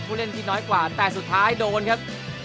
เล่นที่น้อยกว่าแต่สุดท้ายโดนครับ